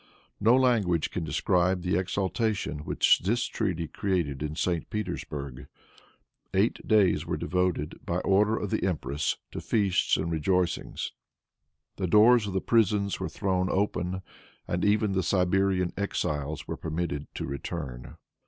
No language can describe the exultation which this treaty created in St. Petersburg. Eight days were devoted, by order of the empress, to feasts and rejoicings. The doors of the prisons were thrown open, and even the Siberian exiles were permitted to return.